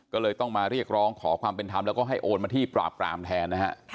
ก็เลยต้องมาเรียกร้องขอความเป็นธรรมแล้วก็ให้โอนมาที่ปราบปรามแทนนะฮะ